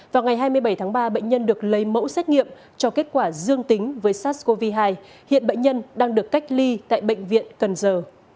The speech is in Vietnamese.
vào ngày hai mươi bảy tháng ba bệnh nhân được lấy mẫu xét nghiệm cho kết quả dương tính với sars cov hai hiện bệnh nhân đang được cách ly tại bệnh viện cần giờ